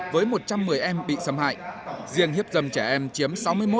với một trăm một mươi em bị xâm hại riêng hiếp dâm trẻ em chiếm sáu mươi một tám mươi một